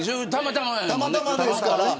たまたまですから。